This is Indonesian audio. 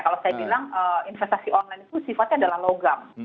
kalau saya bilang investasi online itu sifatnya adalah logam